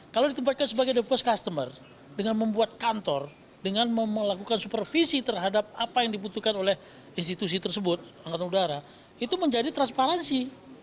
kalau ditempatkan sebagai the first customer dengan membuat kantor dengan melakukan supervisi terhadap apa yang dibutuhkan oleh institusi tersebut angkatan udara itu menjadi transparansi